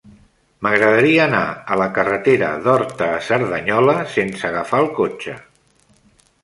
M'agradaria anar a la carretera d'Horta a Cerdanyola sense agafar el cotxe.